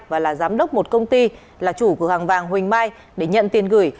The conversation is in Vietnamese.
và là giám đốc một công ty là chủ cửa hàng vàng huỳnh mai để nhận tiền gửi